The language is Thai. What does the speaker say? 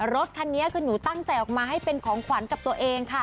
รถคันนี้คือหนูตั้งใจออกมาให้เป็นของขวัญกับตัวเองค่ะ